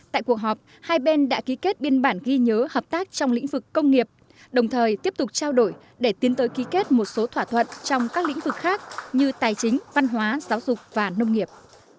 tại cuộc họp hai bên đã ký kết biên bản ghi nhớ hợp tác trong lĩnh vực công nghiệp đồng thời tiếp tục trao đổi để tiến tới ký kết một số thỏa thuận trong các lĩnh vực khác như tài chính văn hóa giáo dục và nông nghiệp